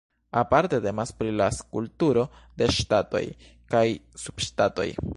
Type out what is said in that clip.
Aparte temas pri la strukturo de ŝtatoj kaj subŝtatoj.